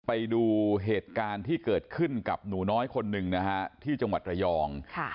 ไปดูเหตุการณ์ที่เกิดขึ้นกับหนูน้อยคนหนึ่งนะฮะที่จังหวัดระยอง